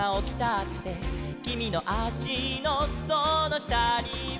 「きみのあしのそのしたには」